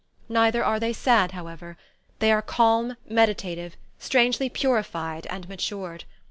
Neither are they sad, however. They are calm, meditative, strangely purified and matured.